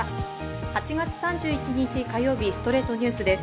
８月３１日、火曜日『ストレイトニュース』です。